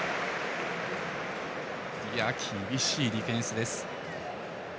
厳しいディフェンスです。